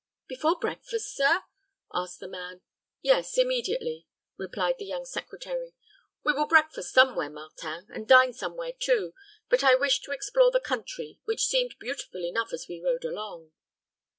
"Before breakfast, sir?" asked the man. "Yes, immediately," replied the young secretary. "We will breakfast somewhere, Martin, and dine somewhere too; but I wish to explore the country, which seemed beautiful enough as we rode along."